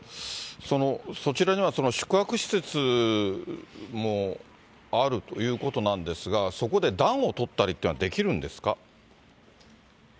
そちらには、宿泊施設もあるということなんですが、そこで暖をとったりっていうのはできるんですか？